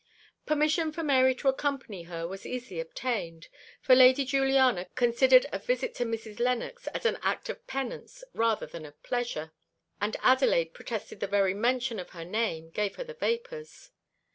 Permission for Mary to accompany her was easily obtained; for Lady Juliana considered a visit to Mrs. Lennox as an act of penance rather than of pleasure; and Adelaide protested the very mention of her name gave her the vapours.